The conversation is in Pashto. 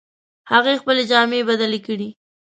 هغې خپلې جامې بدلې کړې